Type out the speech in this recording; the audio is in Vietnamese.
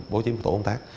bộ chính phủ công tác